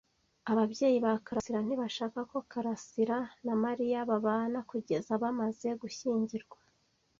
Ababyeyi ba karasira ntibashaka ko karasira na Mariya babana kugeza bamaze gushyingirwa.